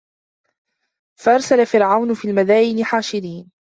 فَأَرْسَلَ فِرْعَوْنُ فِي الْمَدَائِنِ حَاشِرِينَ